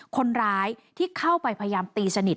คนร้ายที่เข้าไปพยายามตีสนิท